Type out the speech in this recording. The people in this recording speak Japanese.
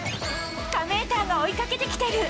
カメーターが追いかけてきてる。